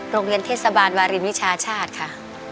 โรงเรียนเทศบาลวารินวิชาชาติค่ะ